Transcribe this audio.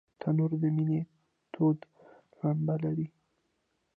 تنور د مینې تود لمبه لري